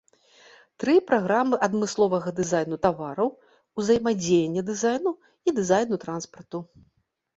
Тры праграмы адмысловага дызайну тавараў, узаемадзеяння дызайну і дызайну транспарту.